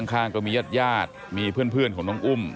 ข้างก็มีญาติญาติมีเพื่อนของน้องอุ้ม